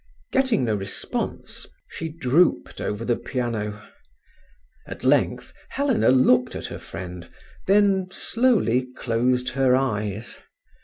Getting no response, she drooped over the piano. At length Helena looked at her friend, then slowly closed her eyes.